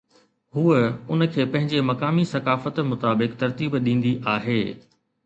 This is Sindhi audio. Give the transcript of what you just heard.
هوءَ ان کي پنهنجي مقامي ثقافت مطابق ترتيب ڏيندي آهي.